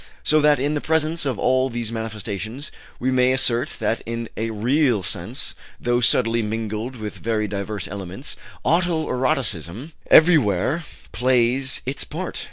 So that in the presence of all these manifestations we may assert that in a real sense, though subtly mingled with very diverse elements, auto erotism everywhere plays its part.